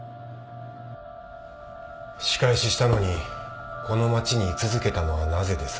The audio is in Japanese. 仕返ししたのにこの街に居続けたのはなぜです？